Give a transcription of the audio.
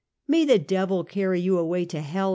"May the devil carry you away to hell